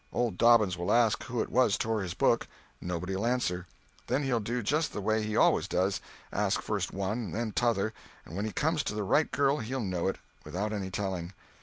Old Dobbins will ask who it was tore his book. Nobody'll answer. Then he'll do just the way he always does—ask first one and then t'other, and when he comes to the right girl he'll know it, without any telling.